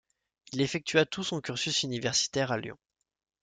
Il effectua tout son cursus universitaire à Lyon.